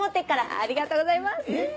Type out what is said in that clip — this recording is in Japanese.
ありがとうございます。